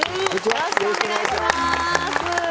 よろしくお願いします。